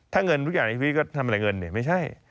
ถ้าเงินทุกอย่างในชีวิตก็ทำอะไรเงินเนี่ยไม่ใช่